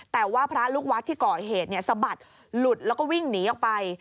แต่ว่าพระลูกวัดที่ก่อเหตุสะบัดหลุดแล้วก็วิ่งหนีออกไป